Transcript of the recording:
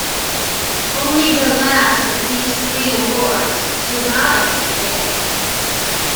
Only the last of these three awards survives today.